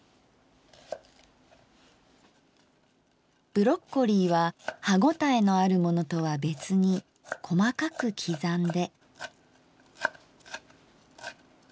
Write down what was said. ブロッコリーは歯応えのあるものとは別に細かく刻んで。